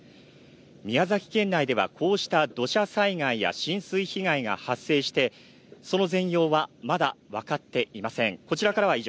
宮崎県内ではこうした土砂災害や浸水被害が発生してその全容はまだ分かっていません。